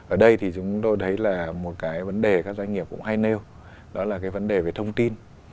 ở đây thì chúng tôi thấy là một cái vấn đề các doanh nghiệp cũng hay nêu đó là cái vấn đề về thông tin